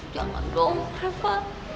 jangan dong reva